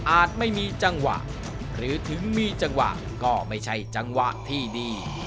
ไม่มีจังหวะหรือถึงมีจังหวะก็ไม่ใช่จังหวะที่ดี